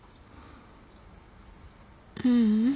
ううん。